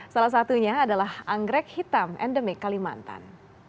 salah satunya adalah anggrek hitam endemik kalimantan